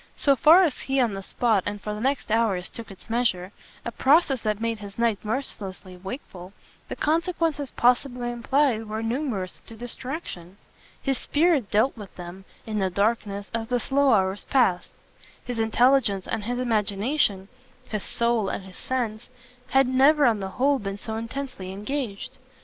So far as he on the spot and for the next hours took its measure a process that made his night mercilessly wakeful the consequences possibly implied were numerous to distraction. His spirit dealt with them, in the darkness, as the slow hours passed; his intelligence and his imagination, his soul and his sense, had never on the whole been so intensely engaged.